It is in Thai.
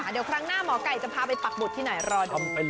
เดี๋ยวข้างหน้าหมอไก่จะพาไปปากบุตรที่ไหนรอเดี๋ยว